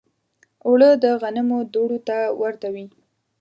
اوړه د غنمو دوړو ته ورته وي